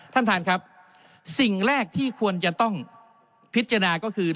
ท่านท่านครับสิ่งแรกที่ควรจะต้องพิจารณาก็คือ